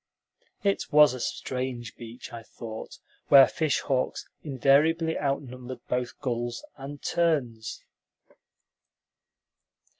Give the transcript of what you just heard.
It was a strange beach, I thought, where fish hawks invariably outnumbered both gulls and terns.